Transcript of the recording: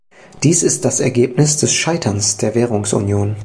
Dies ist das Ergebnis des Scheiterns der Währungsunion.